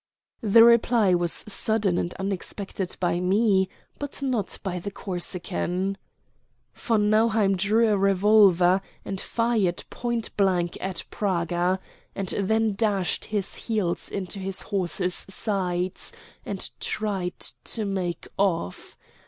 The reply was sudden and unexpected by me, but not by the Corsican. Von Nauheim drew a revolver, and fired point blank at Praga, and then dashed his heels into his horse's sides, and tried to make off.